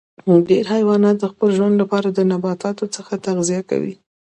ډیری حیوانات د خپل ژوند لپاره د نباتاتو څخه تغذیه کوي